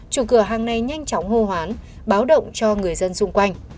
chủ cửa hàng này nhanh chóng hô hoán báo động cho người dân xung quanh